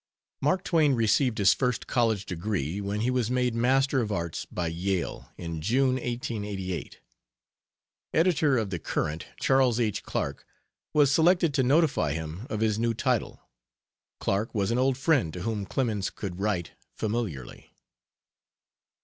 Mark Twain received his first college degree when he was made Master of Arts by Yale, in June, 1888. Editor of the Courant, Charles H. Clarke, was selected to notify him of his new title. Clarke was an old friend to whom Clemens could write familiarly.